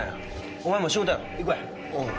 お前も仕事やろ行こうや。